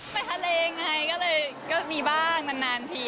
ไปทะเลไงก็เลยก็มีบ้างนานที